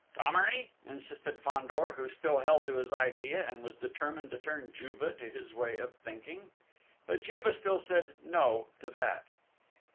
"Thomery?" insisted Fandor, who still held to his idea, and was determined to turn Juve to his way of thinking.... But Juve still said "no!" to that.